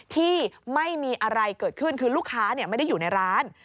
ที่ไม่มีอะไรเกิดขึ้นคือลูกค้าไม่ได้อยู่ในร้าน